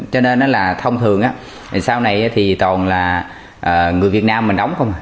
cho nên nó là thông thường sau này thì toàn là người việt nam mình đóng không